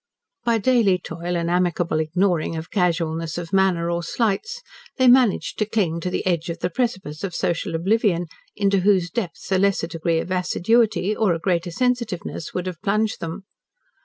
By daily toil and the amicable ignoring of casualness of manner or slights, they managed to cling to the edge of the precipice of social oblivion, into whose depths a lesser degree of assiduity, or a greater sensitiveness, would have plunged them.